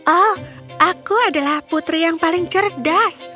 oh aku adalah putri yang paling cerdas